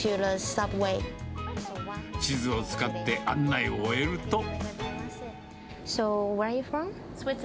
地図を使って案内を終えると。